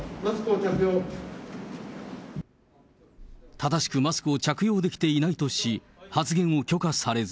正しくマスクを着用できていないとし、発言を許可されず。